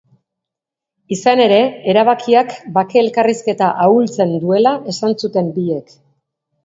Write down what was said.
Izan ere, erabakiak bake elkarrizketa ahultzen duela esan zuten biek.